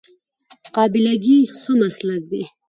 قابله ګي ښه مسلک دی